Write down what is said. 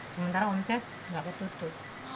sementara omset nggak ketutup